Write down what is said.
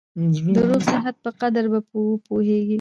د روغ صحت په قدر به وپوهېږې !